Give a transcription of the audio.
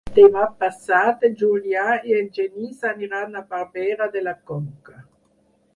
Demà passat en Julià i en Genís aniran a Barberà de la Conca.